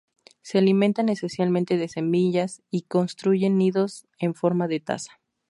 Se alimentan esencialmente de semillas y construyen nidos en forma de taza.